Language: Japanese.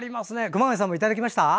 熊谷さんもいただきました？